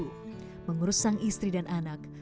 pulang dari mengantar sekolah setumpuk pekerjaan lain menunggu